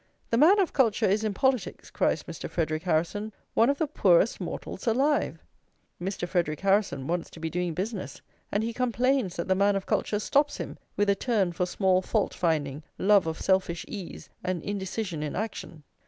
"The man of culture is in politics," cries Mr. Frederic Harrison, "one of the poorest mortals alive!" Mr. Frederic Harrison wants to be doing business, and he complains that the man of culture stops him with a "turn for small fault finding, love of selfish ease, and indecision in action."